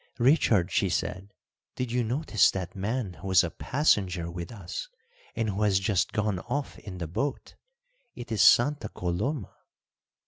"Richard," she said, "did you notice that man who was a passenger with us and who has just gone off in the boat? It is Santa Coloma."